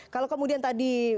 kalau kemudian tadi